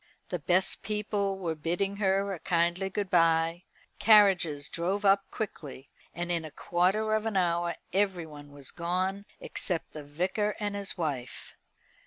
The best people were bidding her a kindly good bye. Carriages drove up quickly, and in a quarter of an hour everyone was gone except the Vicar and his wife.